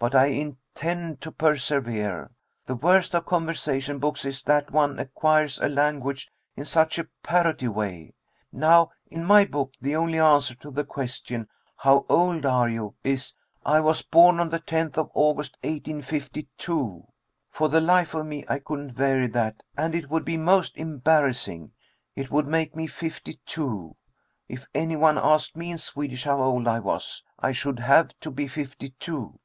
But I intend to persevere. The worst of conversation books is that one acquires a language in such a parroty way. Now, in my book, the only answer to the question 'How old are you?' is, 'I was born on the tenth of August, 1852.' For the life of me, I couldn't vary that, and it would be most embarrassing. It would make me fifty two. If any one asked me in Swedish how old I was, I should have to be fifty two!"